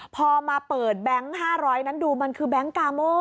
พอมาเปิดแบงค์๕๐๐นั้นดูมันคือแบงค์กาโม่